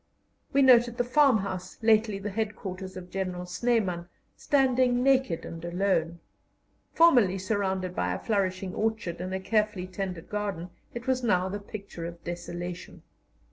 We noted the farmhouse lately the headquarters of General Snyman, standing naked and alone. Formerly surrounded by a flourishing orchard and a carefully tended garden, it was now the picture of desolation.